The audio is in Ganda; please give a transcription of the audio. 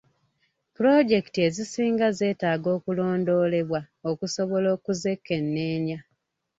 Pulojekiti ezisinga zetaaga okulondoolebwa okusobola okuzekenneenya.